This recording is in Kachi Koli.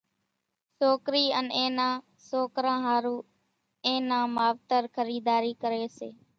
سوڪرِي ان اين نان سوڪران ۿارُو اين نان ماوتر خريڌارِي ڪري سي